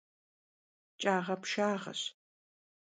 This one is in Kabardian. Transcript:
Ç'eğepşşağeş.